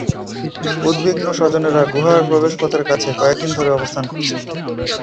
উদ্বিগ্ন স্বজনেরা গুহার প্রবেশপথের কাছে কয়েক দিন ধরে অবস্থান করছেন।